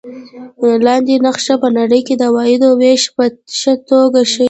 لاندې نقشه په نړۍ کې د عوایدو وېش په ښه توګه ښيي.